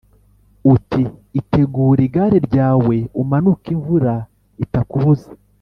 uti ‘Itegure igare ryawe umanuke imvura itakubuza’ ”